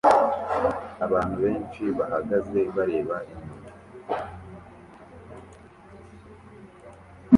Abantu benshi bahagaze bareba inyuma